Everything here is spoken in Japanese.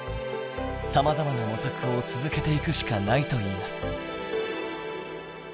さまざまな模索を続けていくしかないといいます。